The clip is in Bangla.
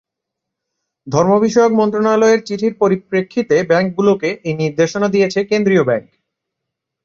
ধর্মবিষয়ক মন্ত্রণালয়ের চিঠির পরিপ্রেক্ষিতে ব্যাংকগুলোকে এ নির্দেশনা দিয়েছে কেন্দ্রীয় ব্যাংক।